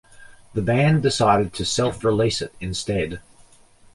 The band decided to self-release it instead.